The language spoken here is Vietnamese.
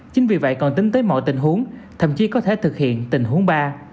chính vì vậy còn tính tới mọi tình huống thậm chí có thể thực hiện tình huống ba